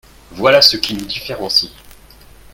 Voilà ce qui nous différencie.